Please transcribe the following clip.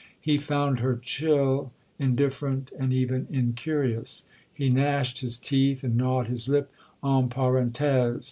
He found her chill, indifferent, and even incurious. He gnashed his teeth and gnawed his lip en parenthese.